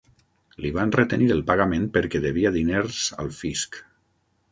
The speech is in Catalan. Li van retenir el pagament perquè devia diners al fisc.